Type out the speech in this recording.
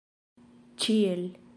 ĉiel